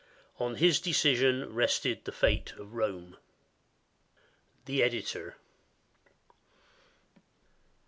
On his decision rested the fate of Rome. The Editor.